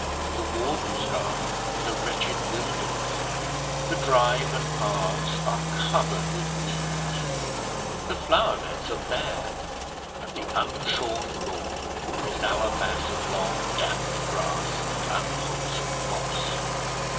The warden's garden is a wretched wilderness, the drive and paths are covered with weeds, the flower beds are bare, and the unshorn lawn is now a mass of long damp grass and unwholesome moss.